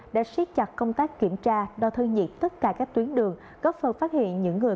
đã xiết chặt công tác kiểm tra đo thân nhiệt tất cả các tuyến đường góp phần phát hiện những người